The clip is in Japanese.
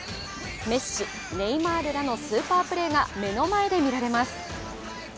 メッシ、ネイマールらのスーパープレーが目の前で見られます。